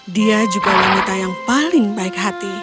dia juga wanita yang paling baik hati